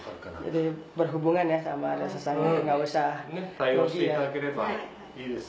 対応していただければいいです